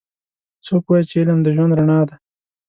څوک وایي چې علم د ژوند رڼا ده